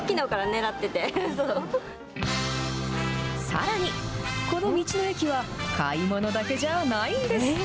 さらに、この道の駅は買い物だけじゃないんです。